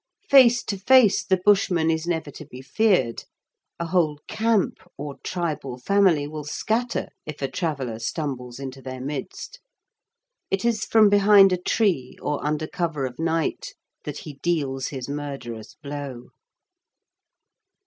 Face to face the Bushman is never to be feared; a whole "camp" or tribal family will scatter if a traveler stumbles into their midst. It is from behind a tree or under cover of night that he deals his murderous blow.